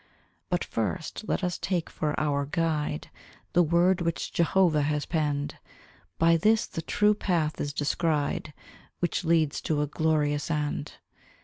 But, first, let us take for our guide The Word which Jehovah has penned; By this the true path is descried Which leads to a glorious end.